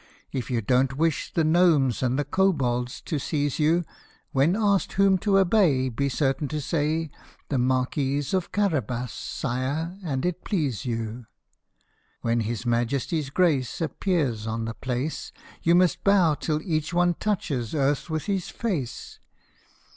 If you don't wish the gnomes and the kobolds to seize you, When asked whom you obey, Be certain to say, ' The Marquis of Carabas, sire, an it please you !' When His Majesty's Grace Appears on the place, You must bow till each one touches earth with his face